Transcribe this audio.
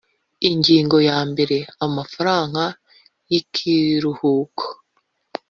ingingo ya mbere amafaranga y ikiruhuko